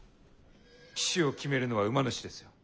騎手を決めるのは馬主ですよ。